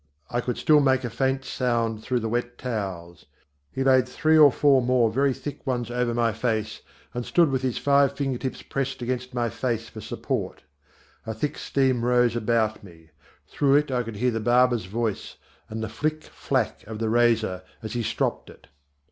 I could still make a faint sound through the wet towels. He laid three or four more very thick ones over my face and stood with his five finger tips pressed against my face for support. A thick steam rose about me. Through it I could hear the barber's voice and the flick flack of the razor as he stropped it. [Illustration: I shall not try to be quite so extraordinarily clever.